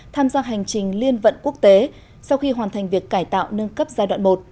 tham gia hành trình liên vận quốc tế sau khi hoàn thành việc cải tạo nâng cấp giai đoạn một